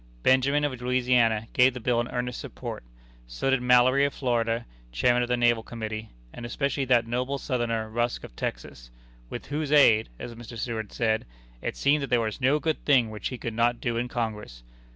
Benjamin, of Louisiana, gave the bill an earnest support; so did Mallory, of Florida, Chairman of the Naval Committee; and especially that noble Southerner, Rusk, of Texas, "with whose aid," as Mr. Seward said, "it seemed that there was no good thing which he could not do in Congress."